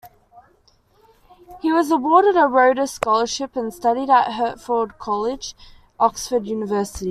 He was awarded a Rhodes Scholarship and studied at Hertford College, Oxford University.